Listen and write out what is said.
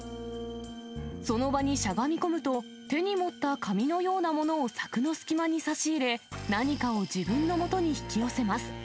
その場にしゃがみ込むと、手に持った紙のようなものを柵の隙間に差し入れ、何かを自分のもとに引き寄せます。